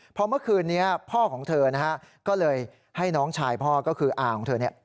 พอเมื่อคืนนี้พ่อของเธอนะฮะก็เลยให้น้องชายพ่อก็คืออาของเธอเนี่ย